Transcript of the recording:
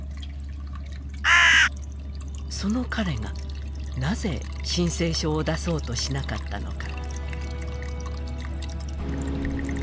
その彼がなぜ申請書を出そうとしなかったのか。